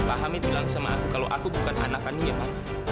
pak amit bilang sama aku kalau aku bukan anakannya ma